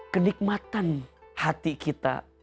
kenikmatan hati kita